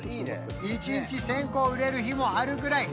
「１日１０００個売れる日もあるぐらい」